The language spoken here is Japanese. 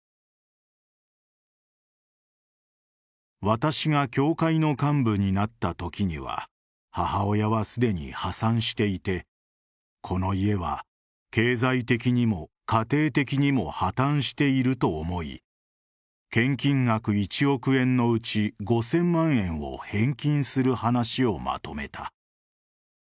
私が教会の幹部になったときには母親は既に破産していてこの家は経済的にも家庭的にも破綻していると思い献金額１億円のうち５０００万円を返金する話をまとめた。